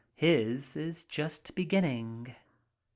His is just beginning.